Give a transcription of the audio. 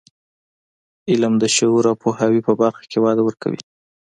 علم د شعور او پوهاوي په برخه کې وده ورکوي.